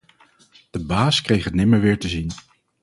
De baas kreeg het nimmer weer te zien.